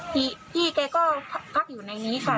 พี่แกก็พักอยู่ในนี้ค่ะ